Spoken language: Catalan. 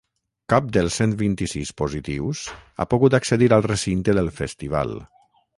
Cap dels cent vint-i-sis positius ha pogut accedir al recinte del festival.